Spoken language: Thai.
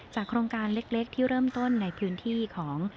โครงการเล็กที่เริ่มต้นในพื้นที่ของ